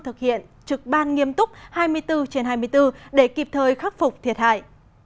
thực hiện trực ban nghiêm túc hai mươi bốn trên hai mươi bốn để kịp thời khắc phục thiệt hại